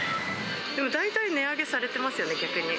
でも大体値上げされてますよね、逆に。